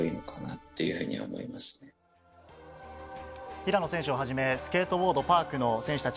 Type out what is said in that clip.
平野選手をはじめスケートボードパークの選手たち